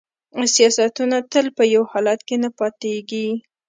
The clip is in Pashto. سیاستونه تل په یو حالت کې نه پاتیږي